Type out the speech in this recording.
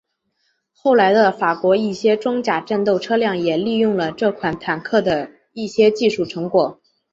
后来的法国一些装甲战斗车辆也利用了这款坦克的一些技术成果。